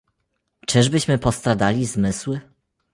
Czyżbyśmy postradali zmysły?